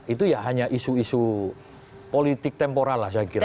itu ya hanya isu isu politik temporal lah saya kira